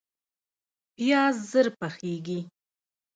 پیاز ژر پخیږي